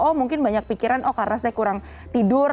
oh mungkin banyak pikiran oh karena saya kurang tidur